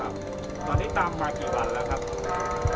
ตอนนี้ตามมากี่วันแล้วครับ